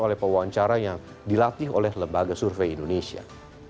oleh pewawancara yang dilatih oleh lembaga survei indonesia